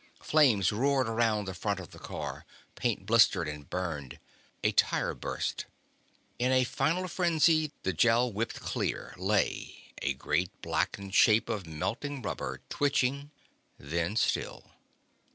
Flames roared around the front of the car. Paint blistered and burned. A tire burst. In a final frenzy, the Gel whipped clear, lay, a great blackened shape of melting rubber, twitching, then still.